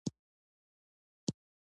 بیلابیل کلتورونه له کیسې سره ځان نښلوي.